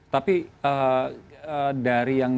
tapi dari yang